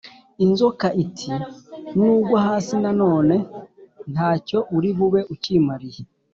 inzoka iti «nugwa hasi nanone nta cyo uri bube ukimariye